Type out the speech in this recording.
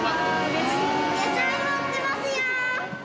野菜も売ってますよ！